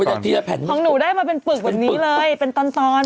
ทีละแผ่นของหนูได้มาเป็นปึกแบบนี้เลยเป็นตอนตอน